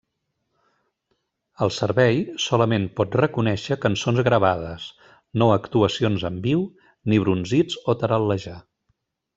El servei solament pot reconèixer cançons gravades, no actuacions en viu ni brunzits o taral·lejar.